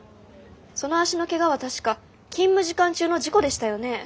その足のけがは確か勤務時間中の事故でしたよね？